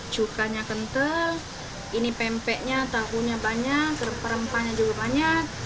cukanya kental ini pempeknya tahunya banyak perempahnya juga banyak